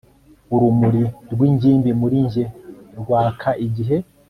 urumuri rw'ingimbi muri njye rwaka igihe